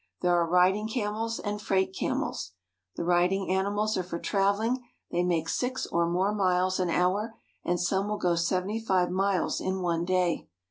There are riding camels and freight camels. The riding animals are for traveling ; they make six or more miles an hour, and some will go seventy five miles in one day.